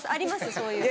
そういうの。